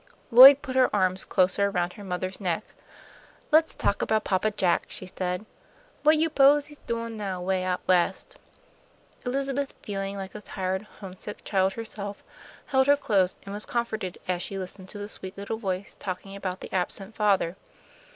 Lloyd put her arms closer around her mother's neck. "Let's talk about Papa Jack," she said. "What you 'pose he's doin' now, 'way out West?" Elizabeth, feeling like a tired, homesick child herself, held her close, and was comforted as she listened to the sweet little voice talking about the absent father.